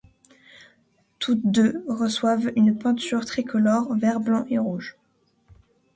Toutes deux reçoivent une peinture tricolore, vert blanc et rouge.